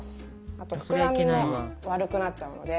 あとふくらみも悪くなっちゃうので。